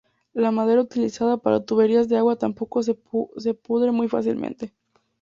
La madera utilizada para tuberías de agua tampoco se pudre muy fácilmente.